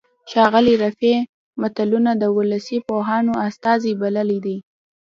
ښاغلي رفیع متلونه د ولسي پوهانو استازي بللي دي